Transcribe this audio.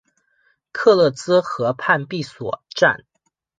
克勒兹河畔比索站。